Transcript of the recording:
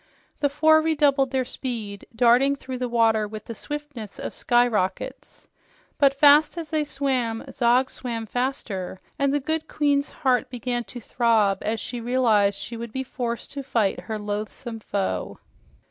The four redoubled their speed, darting through the water with the swiftness of skyrockets. But fast as they swam, Zog swam faster, and the good queen's heart began to throb as she realized she would be forced to fight her loathesome foe.